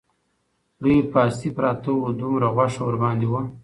لوی پاستي پراته وو، دومره غوښه ورباندې وه